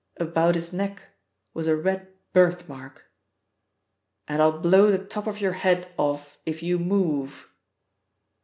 About his neck was a red birth mark and I'll blow the top of your head off if you move!"